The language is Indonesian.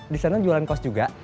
desainnya jualan kaos juga